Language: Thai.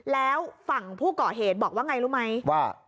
แล้วฝั่งผู้ก่อเหตุบอกว่าไงรู้ไหมว่า